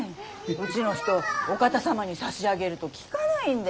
うちの人お方様に差し上げると聞かないんで。